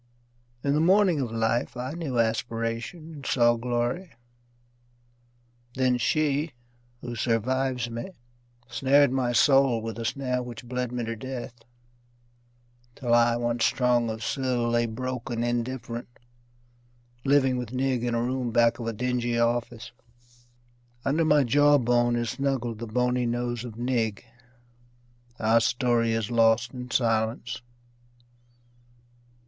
In the morning of life I knew aspiration and saw glory. Then she, who survives me, snared my soul With a snare which bled me to death, Till I, once strong of sill, lay broken, indifferent, Living with Nig in a room back of a dingy office. Under my jaw bone is snuggled the bony nose of Nig Our story is lost in silence.